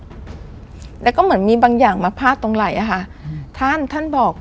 แล้วก็เหมือนมีบางอย่างมาพาดตรงไหล่อ่ะค่ะอืมท่านท่านบอก